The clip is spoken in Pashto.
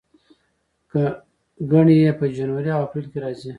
ګڼې یې په جنوري او اپریل کې راځي.